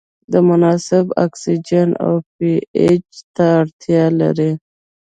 د مناسب اکسیجن او پي اچ ته اړتیا لري.